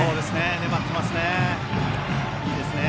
粘っていますね。